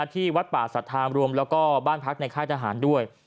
ที่วัดป่าสัทธามรวมแล้วก็บ้านพักในค่ายทหารด้วย